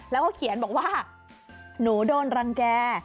แล้วก็เขียนบอกว่าหนูโดนรังแก่